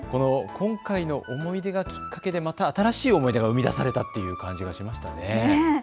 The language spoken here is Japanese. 今回の思い出がきっかけでまた新しい思い出が生み出されたという感じがしましたね。